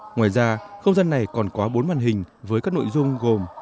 ngoài ra không gian này còn có bốn màn hình với các nội dung gồm